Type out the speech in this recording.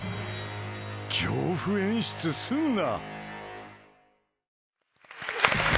恐怖演出すんな！